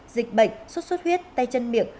dịch bệnh sốt xuất huyết tay chân miệng